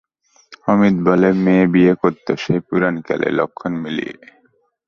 অমিত বলে, মেয়ে বিয়ে করত সেই পুরাকালে, লক্ষণ মিলিয়ে।